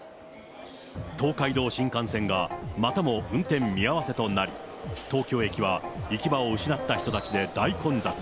東海道新幹線がまたも運転見合わせとなり、東京駅は行き場を失った人たちで大混雑。